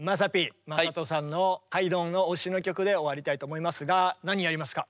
優人さんのハイドンの推しの曲で終わりたいと思いますが何やりますか？